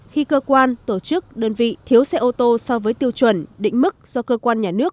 khi cơ quan tổ chức đơn vị thiếu xe ô tô so với tiêu chuẩn định mức do cơ quan nhà nước